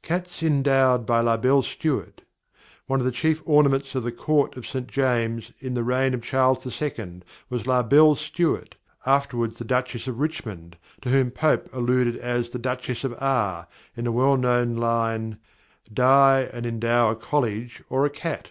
CATS ENDOWED BY LA BELLE STEWART. One of the chief ornaments of the Court of St. James', in the reign of Charles II., was "La Belle Stewart," afterwards the Duchess of Richmond, to whom Pope alluded as the "Duchess of R." in the well known line: Die and endow a college or a cat.